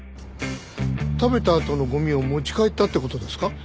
食べたあとのゴミを持ち帰ったって事ですか？